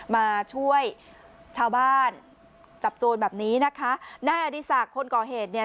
มาช่วยชาวบ้านจับโจรแบบนี้นะคะนายอดีศักดิ์คนก่อเหตุเนี่ย